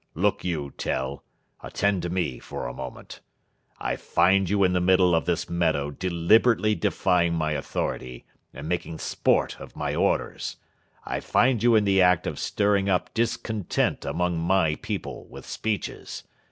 Look you, Tell: attend to me for a moment. I find you in the middle of this meadow deliberately defying my authority and making sport of my orders. I find you in the act of stirring up discontent among my people with speeches.